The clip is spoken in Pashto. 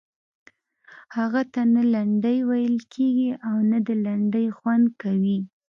هغه ته نه لنډۍ ویل کیږي او نه د لنډۍ خوند کوي.